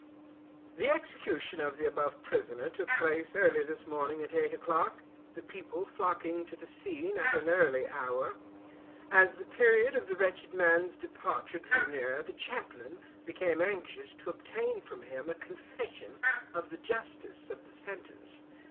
The Execution of the above prisoner took place early this morning at eight o'clock, the people flocking to the scene at an early hour. As the period of the wretched man's departure drew near, the chaplain became anxious to obtain from him a confession of the justice of the sentence.